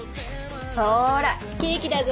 ほらケーキだぞ。